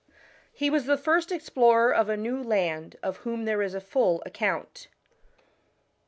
He was the first explorer of a new land of whom there is a full account.